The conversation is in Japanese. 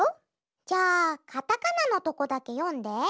じゃあカタカナのとこだけよんで。